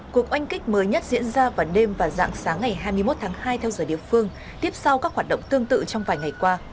cuộc oanh kích mới nhất diễn ra vào đêm và dạng sáng ngày hai mươi một tháng hai theo giờ địa phương tiếp sau các hoạt động tương tự trong vài ngày qua